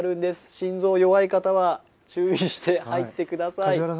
心臓弱い方は注意して入ってください。